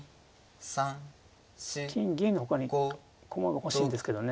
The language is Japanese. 金銀のほかに駒が欲しいんですけどね。